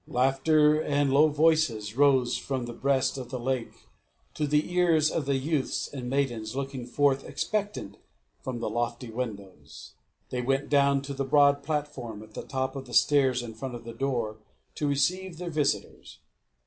Laughter and low voices rose from the breast of the lake to the ears of the youths and maidens looking forth expectant from the lofty windows. They went down to the broad platform at the top of the stairs in front of the door to receive their visitors.